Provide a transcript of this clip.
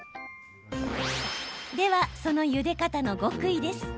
では、そのゆで方の極意です。